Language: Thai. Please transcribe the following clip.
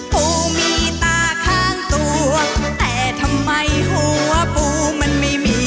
ปูมีตาข้างตัวแต่ทำไมหัวปูมันไม่มี